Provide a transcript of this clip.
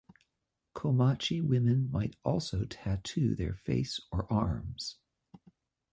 Comanche women might also tattoo their face or arms.